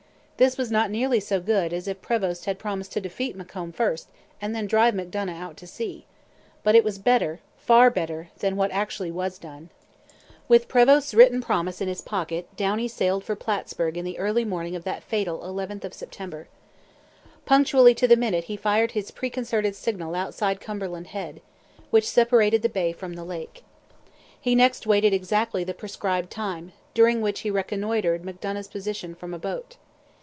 This was not nearly so good as if Prevost had promised to defeat Macomb first and then drive Macdonough out to sea. But it was better, far better, than what actually was done. With Prevost's written promise in his pocket Downie sailed for Plattsburg in the early morning of that fatal 11th of September. Punctually to the minute he fired his preconcerted signal outside Cumberland Head, which separated the bay from the lake. He next waited exactly the prescribed time, during which he reconnoitred Macdonough's position from a boat.